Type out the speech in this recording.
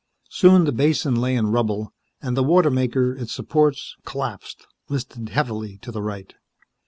Soon the basin lay in rubble, and the water maker, its supports collapsed, listed heavily to the right.